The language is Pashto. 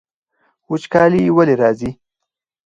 وچکالي ولې راځي؟